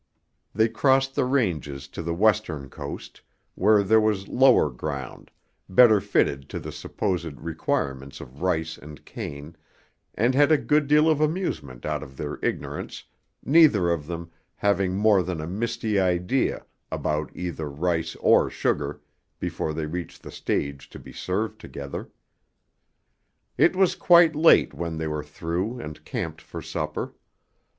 They crossed the ranges to the western coast, where there was lower ground, better fitted to the supposed requirements of rice and cane, and had a good deal of amusement out of their ignorance, neither of them having more than a misty idea about either rice or sugar before they reach the stage to be served together. It was quite late when they were through and camped for supper.